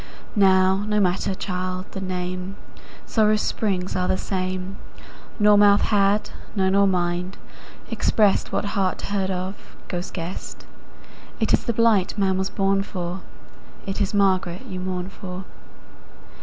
Now no matter, child, the name:Sórrow's spríngs áre the same. Nor mouth had, no nor mind, expressedWhat heart heard of, ghost guessed:It ís the blight man was born for, It is Margaret you mourn for.